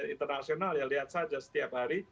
internasional ya lihat saja setiap hari